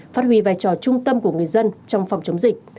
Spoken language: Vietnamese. phát huy vai trò trung tâm của người dân trong phòng chống dịch